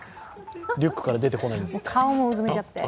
リュックから出てこないんですって。